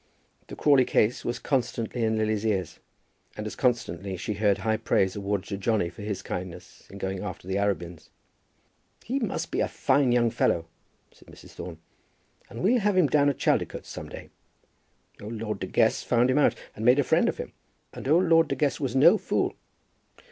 The Crawley case was constantly in Lily's ears, and as constantly she heard high praise awarded to Johnny for his kindness in going after the Arabins. "He must be a fine young fellow," said Mrs. Thorne, "and we'll have him down at Chaldicotes some day. Old Lord De Guest found him out and made a friend of him, and old Lord De Guest was no fool."